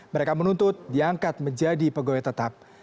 mereka menuntut diangkat menjadi pegawai tetap